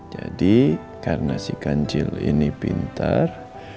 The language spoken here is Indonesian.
jadi karena si kancil ini pintar